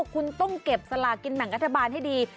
คุณต้องเก็บสลากความกระทะบาลให้ดี